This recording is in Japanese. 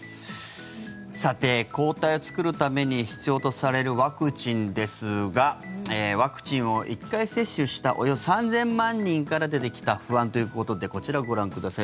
さて、抗体を作るために必要とされるワクチンですがワクチンを１回接種したおよそ３０００万人から出てきた不安ということでこちら、ご覧ください。